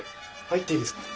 入っていいですか？